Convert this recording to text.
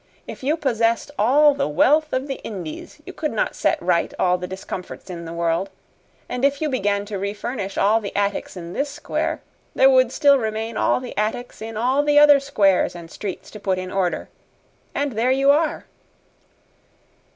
If you possessed all the wealth of all the Indies, you could not set right all the discomforts in the world, and if you began to refurnish all the attics in this square, there would still remain all the attics in all the other squares and streets to put in order. And there you are!"